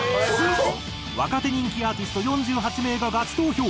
若手人気アーティスト４８名がガチ投票。